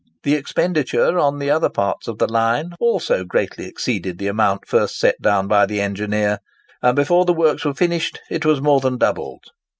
The expenditure on the other parts of the line also greatly exceeded the amount first set down by the engineer; and before the works were finished it was more than doubled.